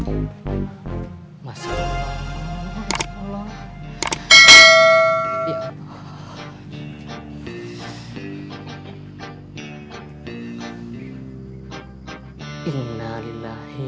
oh ya allah